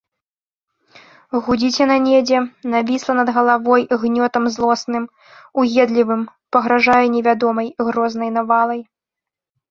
Гудзіць яна недзе, навісла над галавой гнётам злосным, уедлівым, пагражае невядомай, грознай навалай.